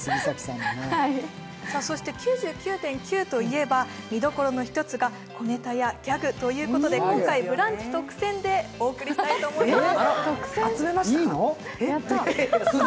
そして「９９．９」と言えば見どころが小ネタやギャグということで、今回「ブランチ」特選でお送りしたいと思います。